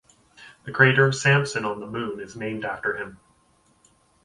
The crater Sampson on the Moon is named after him.